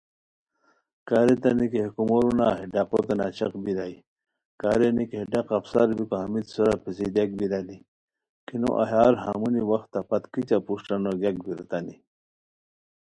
کا ریتانی کی ہے کومورو نا ہے ڈقوتین عاشق بیرائے، کا رینی کی ہےڈق افسر بیکو ہمیت سورا پیڅھی دیاک بیرانی، کی نو ایہار ہمونی وختہ پت کیچہ پروشٹہ نوگونیان ریتانی